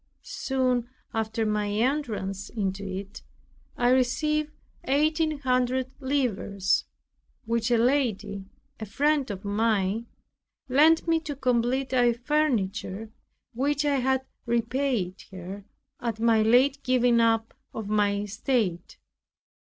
Soon after my entrance into it I received eighteen hundred livres, which a lady, a friend of mine, lent me to complete our furniture, which I had repaid her at my late giving up of my estate.